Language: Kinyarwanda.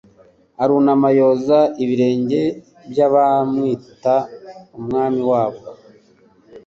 arunama yoza ibirenge by'abamwita Umwami wabo.